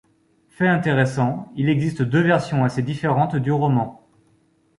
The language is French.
Fait intéressant, il existe deux versions assez différentes du roman.